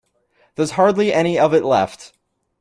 There was hardly any of it left.